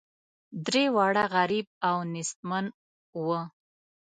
درې واړه غریب او نیستمن وه.